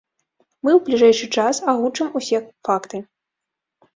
Мы ў бліжэйшы час агучым ўсе факты.